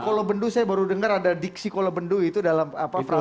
kolobendu saya baru dengar ada diksi kolobendu itu dalam frame